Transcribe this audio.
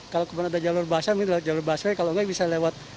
kalau kemudian ada jalur basah mungkin jalur basah kalau nggak bisa lewat